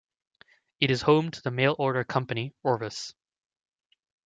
It is home to the mail-order company Orvis.